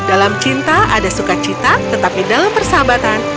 dalam cinta ada sukacita tetapi dalam persahabatan ada kedamaian